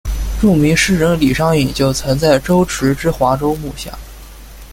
著名诗人李商隐就曾在周墀之华州幕下。